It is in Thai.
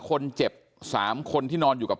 คนเจ็บ๓คนที่นอนอยู่กับ